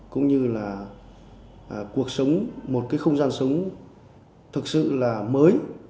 cũng như là cuộc sống một cái không gian sống thực sự là mới